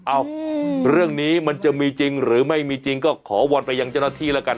เอ้าเรื่องนี้มันจะมีจริงหรือไม่มีจริงก็ขอวอนไปยังเจ้าหน้าที่แล้วกัน